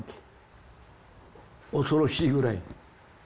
恐ろしいぐらい。